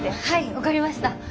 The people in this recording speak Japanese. はい分かりました。